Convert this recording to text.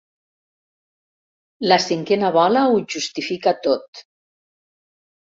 La cinquena bola ho justifica tot.